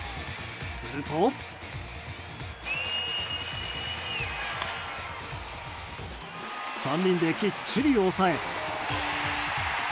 すると、３人できっちり抑え。